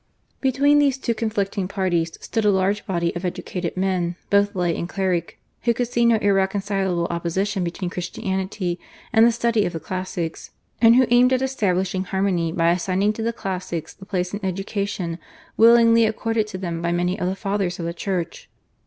Between these two conflicting parties stood a large body of educated men, both lay and cleric, who could see no irreconcilable opposition between Christianity and the study of the classics, and who aimed at establishing harmony by assigning to the classics the place in education willingly accorded to them by many of the Fathers of the Church.